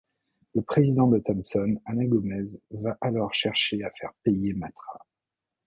Le président de Thomson, Alain Gomez va alors chercher à faire payer Matra.